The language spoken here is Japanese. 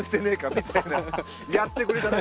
みたいな「やってくれたな！！」